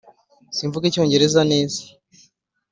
simvuga icyongereza neza.